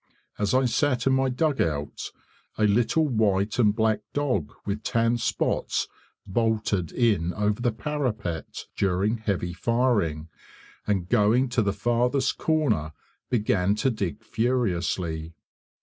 As I sat in my dugout a little white and black dog with tan spots bolted in over the parapet, during heavy firing, and going to the farthest corner began to dig furiously.